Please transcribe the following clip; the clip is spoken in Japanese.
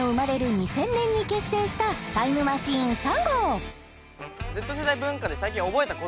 ２０００年に結成したタイムマシーン３号ありますか？